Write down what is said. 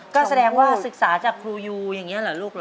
ก็แสดงว่าศึกษาจากครูยูอย่างนี้เหรอลูกเหรอ